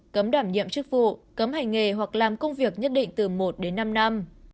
cấm đảm nhiệm chức vụ cấm hành nghề hoặc làm công việc nhất định từ một đến năm năm